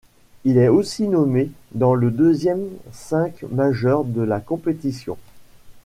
Il est aussi nommé dans le deuxième cinq majeur de la compétition.